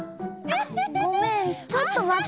ごめんちょっとまってね。